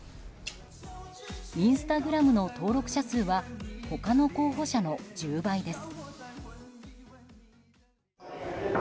インスタグラムの登録者数は他の候補者の１０倍です。